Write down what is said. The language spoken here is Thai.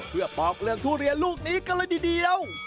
เพื่อปอกเรื่องทุเรียนลูกนี้กันเลยทีเดียว